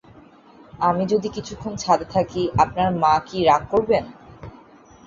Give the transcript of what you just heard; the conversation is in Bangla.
আমি যদি কিছুক্ষণ ছাদে থাকি আপনার মাকি রাগ করবেন?